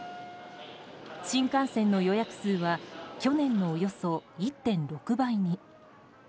新幹線の予約数は去年のおよそ１．６倍に。